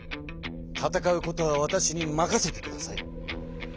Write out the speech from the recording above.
戦うことはわたしに任せてください。